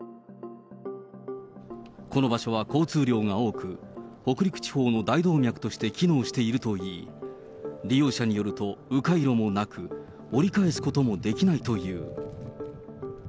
この場所は交通量が多く、北陸地方の大動脈として機能しているといい、利用者によるとう回路もなく、折り返すこともできないという。